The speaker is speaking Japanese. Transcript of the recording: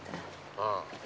ああ。